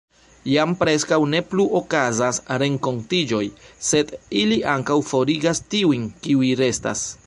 Jam preskaŭ ne plu okazas renkontiĝoj, sed ili ankaŭ forigas tiujn, kiuj restas.